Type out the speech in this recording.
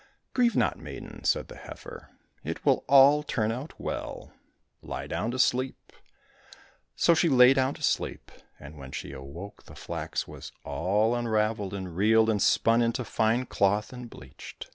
—" Grieve not, maiden !" said the heifer, " it will all turn out well. Lie down to sleep !"— So she lay down to sleep, and when she awoke the flax was all unravelled and reeled and spun into fine cloth, and bleached.